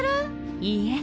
いいえ。